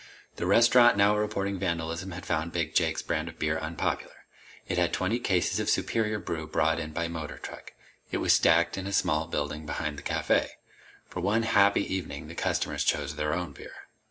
The restaurant now reporting vandalism had found big Jake's brand of beer unpopular. It had twenty cases of a superior brew brought in by motor truck. It was stacked in a small building behind the café. For one happy evening, the customers chose their own beer.